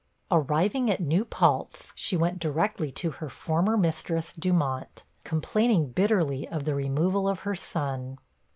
Arriving at New Paltz, she went directly to her former mistress, Dumont, complaining bitterly of the removal of her son.